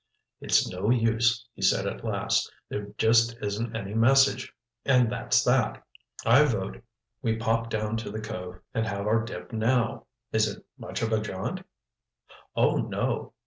"It's no use," he said at last, "there just isn't any message, and that's that. I vote we pop down to the cove and have our dip now. Is it much of a jaunt?" "Oh, no."